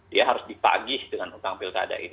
dia harus ditagih dengan utang pilkada itu